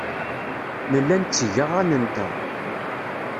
Nella netteg aɣan-nteɣ.